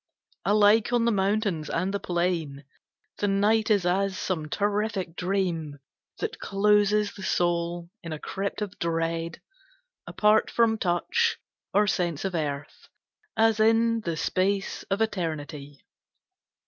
Alike on the mountains and the plain, The night is as some terrific dream, That closes the soul in a crypt of dread Apart from touch or sense of earth, As in the space of Eternity.